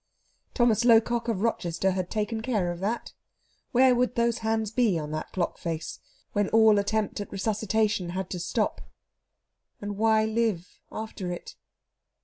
Thomas Locock, of Rochester, had taken care of that. Where would those hands be on that clock face when all attempt at resuscitation had to stop? And why live after it?